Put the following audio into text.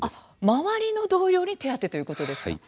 周りの同僚に手当ということですね。